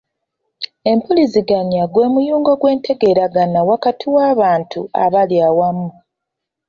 Empuliziganya gwe muyungo gw'entegeeragana wakati w'abantu abali awamu.